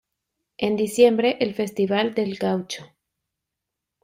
En diciembre el Festival del Gaucho.